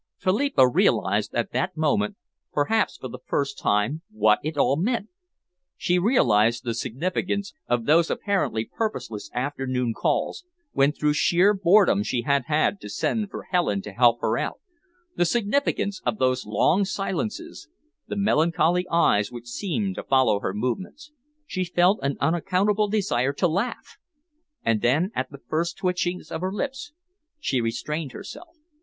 Philippa realised at that moment, perhaps for the first time, what it all meant. She realised the significance of those apparently purposeless afternoon calls, when through sheer boredom she had had to send for Helen to help her out; the significance of those long silences, the melancholy eyes which seemed to follow her movements. She felt an unaccountable desire to laugh, and then, at the first twitchings of her lips, she restrained herself.